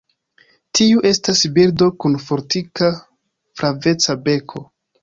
Tiu estas birdo kun fortika, flaveca beko.